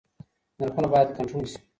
نرخونه بايد کنټرول سي.